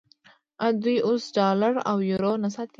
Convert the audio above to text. آیا دوی اوس ډالر او یورو نه ساتي؟